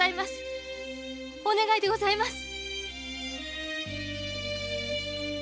お願いでございます。